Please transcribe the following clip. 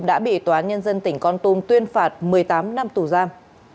đã bị tòa án nhân dân tỉnh con tum tuyên phạt một mươi tám năm tù giam